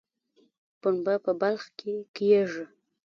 پنبه په بلخ کې کیږي